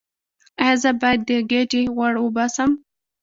ایا زه باید د ګیډې غوړ وباسم؟